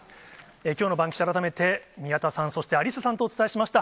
きょうのバンキシャ、改めて宮田さん、そしてアリッサさんとお伝えしました。